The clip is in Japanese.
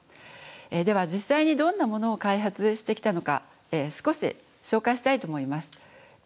では実際にどんなものを開発してきたのか少し紹介したいと思います。